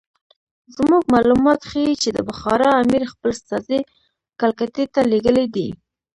زموږ معلومات ښیي چې د بخارا امیر خپل استازي کلکتې ته لېږلي دي.